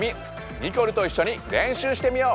ニコルといっしょに練習してみよう！